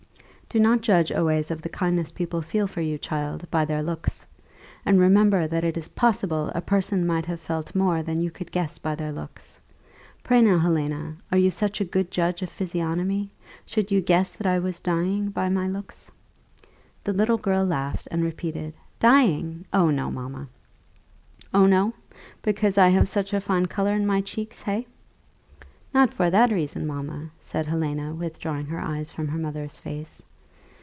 "Do not judge always of the kindness people feel for you, child, by their looks; and remember that it is possible a person might have felt more than you could guess by their looks. Pray now, Helena, you are such a good judge of physiognomy, should you guess that I was dying, by my looks?" The little girl laughed, and repeated "Dying? Oh, no, mamma." "Oh, no! because I have such a fine colour in my cheeks, hey?" "Not for that reason, mamma," said Helena, withdrawing her eyes from her mother's face.